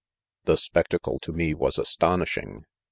The spectacle to me was astonishing.